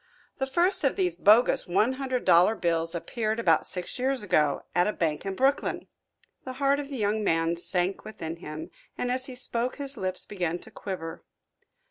The first of these bogus one hundred dollar bills appeared about six years ago, at a bank in Brooklyn." The heart of the young man sank within him, and as he spoke his lips began to quiver.